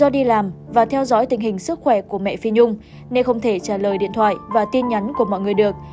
tình hình sức khỏe của mẹ phi nhung nên không thể trả lời điện thoại và tin nhắn của mọi người được